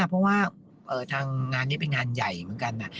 เพราะว่าทางงานนี้เป็นงานใหญ่เหมือนกัน